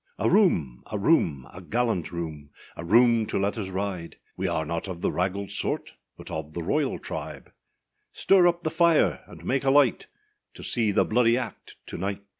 A room! a room! a gallant room, A room to let us ride! We are not of the raggald sort, But of the royal tribe: Stir up the fire, and make a light, To see the bloody act to night!